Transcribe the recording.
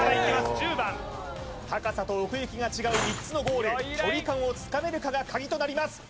１０番高さと奥行きが違う３つのゴール距離感をつかめるかが鍵となります